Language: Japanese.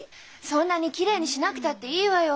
そんなにきれいにしなくたっていいわよ。